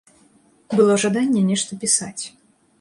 Было жаданне нешта пісаць.